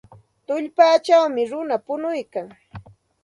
Tullpawmi runa punuykan.